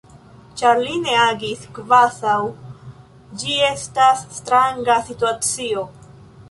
Ĉar li ne agis kvazaŭ ĝi estas stranga situacio.